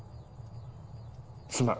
すまん。